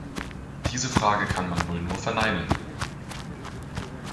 Diese Frage kann man wohl nur verneinen!